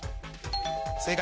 正解。